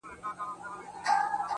مثبت فکر بریا نږدې کوي.